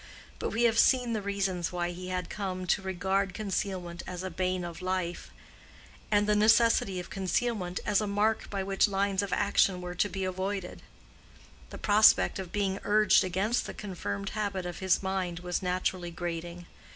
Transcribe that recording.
But we have seen the reasons why he had come to regard concealment as a bane of life, and the necessity of concealment as a mark by which lines of action were to be avoided. The prospect of being urged against the confirmed habit of his mind was naturally grating.